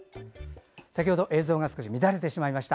先ほど映像が少し乱れてしまいました。